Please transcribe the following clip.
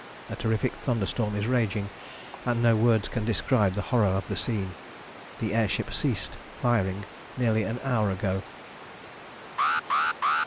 A terrific thunderstorm is raging, and no words can describe the horror of the scene. The air ship ceased firing nearly an hour ago.